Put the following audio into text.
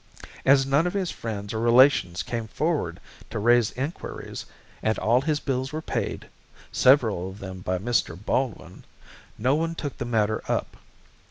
As none of his friends or relations came forward to raise enquiries, and all his bills were paid several of them by Mr. Baldwin no one took the matter up.